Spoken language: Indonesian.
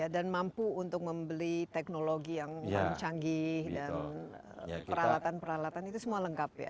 dan mampu untuk membeli teknologi yang canggih dan peralatan peralatan itu semua lengkap ya